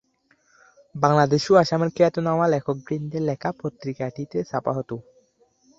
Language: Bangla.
বাংলাদেশ ও আসামের খ্যাতনামা লেখকবৃন্দের লেখা পত্রিকাটিতে ছাপা হতো।